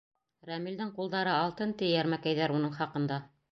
Рәмилдең ҡулдары алтын, ти йәрмәкәйҙәр уның хаҡында.